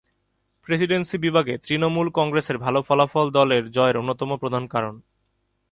Presidency বিভাগে তৃণমূল কংগ্রেসের ভালো ফলাফল দলের জয়ের অন্যতম প্রধান কারণ।